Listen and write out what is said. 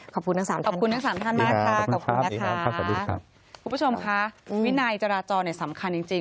ขอบคุณทั้ง๓ท่านนะครับคุณผู้ชมค่ะวินัยเจราโจรสำคัญจริง